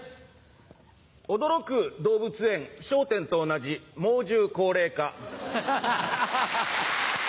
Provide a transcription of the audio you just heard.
驚く動物園『笑点』と同じ猛獣高齢化。